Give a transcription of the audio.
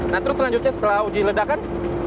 nah terus selanjutnya setelah uji ledakan